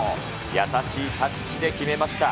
優しいタッチで決めました。